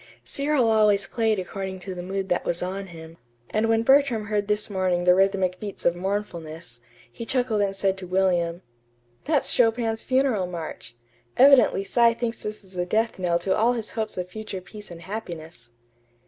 Cyril always played according to the mood that was on him; and when Bertram heard this morning the rhythmic beats of mournfulness, he chuckled and said to William: "That's Chopin's Funeral March. Evidently Cy thinks this is the death knell to all his hopes of future peace and happiness."